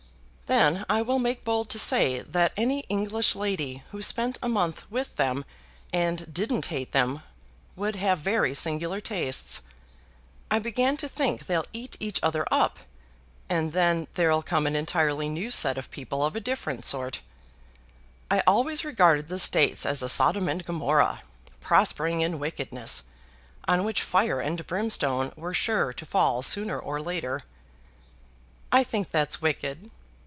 "Then I will make bold to say that any English lady who spent a month with them and didn't hate them would have very singular tastes. I begin to think they'll eat each other up, and then there'll come an entirely new set of people of a different sort. I always regarded the States as a Sodom and Gomorrah, prospering in wickedness, on which fire and brimstone were sure to fall sooner or later." "I think that's wicked."